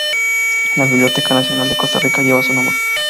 La Biblioteca Nacional de Costa Rica lleva su nombre.